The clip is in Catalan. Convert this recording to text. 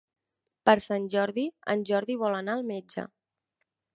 Per Sant Jordi en Jordi vol anar al metge.